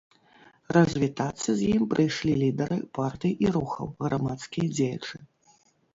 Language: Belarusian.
Развітацца з ім прыйшлі лідары партый і рухаў, грамадскія дзеячы.